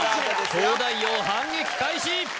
東大王反撃開始